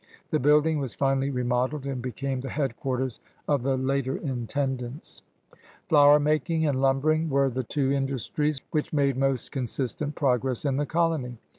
The building was finally remodeled and became the headquarters of the later intendants. AGRICULTURE, INDUSTRY, AND TRADE 198 Flour making and lumbering were the two industries which made most consistent progress in the colony.